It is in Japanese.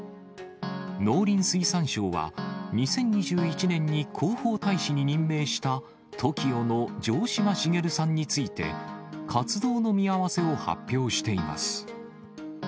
農林水産省は、２０２１年に広報大使に任命した、ＴＯＫＩＯの城島茂さんについて、活動の見合わせを発表しています。